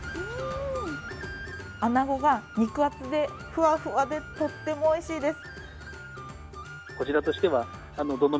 あなごが肉厚で、ふわふわでとってもおいしいです。